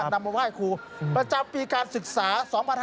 นำมาว่าให้ครูประจำปีการศึกษา๒๕๖๑